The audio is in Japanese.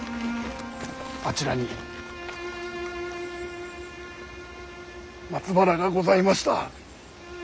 あちらに松原がございました。